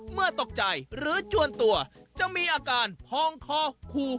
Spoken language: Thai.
เมื่อตกใจหรือจวนตัวจะมีอาการพองคอขู่